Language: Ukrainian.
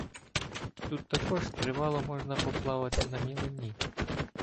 Тут також тривало можна поплавати на мілині